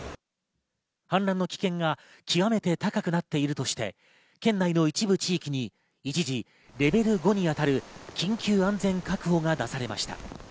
氾濫の危険が極めて高くなっているとして、県内の一部地域に一時レベル５に当たる緊急安全確保が出されました。